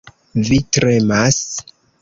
Vi tremas.